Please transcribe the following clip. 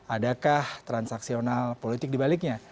adakah transaksional politik dibaliknya